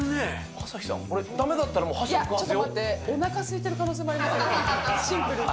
朝日さん、これだめだったらちょっと待って、おなかすいてる可能性もありますよ、シンプルに。